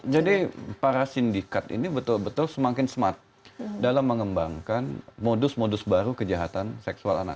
jadi para sindikat ini betul betul semakin smart dalam mengembangkan modus modus baru kejahatan seksual anak